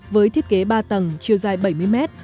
với thiết kế ba tầng chiều dài bảy mươi mét